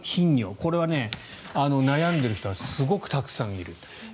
これは悩んでいる人はすごくたくさんいる。